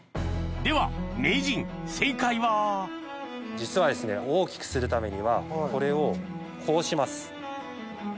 では名人正解は実はですね大きくするためにはこれをこうします。